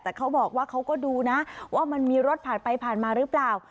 แต่เขาบอกว่าเขาก็ดูนะว่ามันมีรถผ่านไปผ่านมาหรือเปล่า